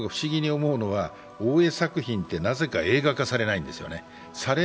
僕が不思議に思うのは、大江作品ってなぜか映画化されないんですよね。